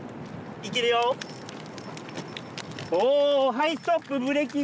はいストップブレーキ。